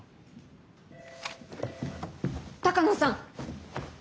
鷹野さん！